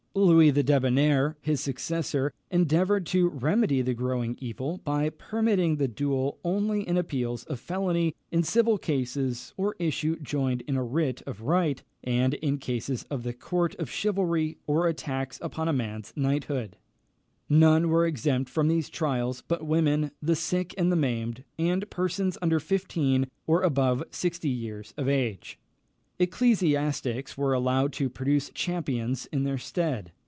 Louis the Debonnaire, his successor, endeavoured to remedy the growing evil by permitting the duel only in appeals of felony, in civil cases, or issue joined in a writ of right, and in cases of the court of chivalry, or attacks upon a man's knighthood. None were exempt from these trials but women, the sick and the maimed, and persons under fifteen or above sixty years of age. Ecclesiastics were allowed to produce champions in their stead.